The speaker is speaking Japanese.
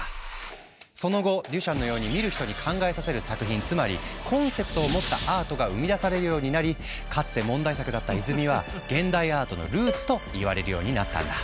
その後デュシャンのように見る人に考えさせる作品つまりコンセプトを持ったアートが生み出されるようになりかつて問題作だった「泉」は現代アートのルーツといわれるようになったんだ。